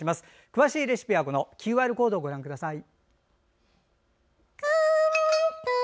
詳しいレシピはＱＲコードからご覧ください。